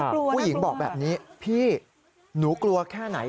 ผู้หญิงบอกแบบนี้พี่หนูกลัวแค่ไหน